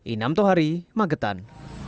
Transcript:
inam tohari magetan